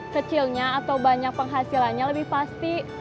kecilnya atau banyak penghasilannya lebih pasti